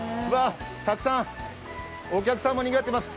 たくさんお客さんでにぎわっています。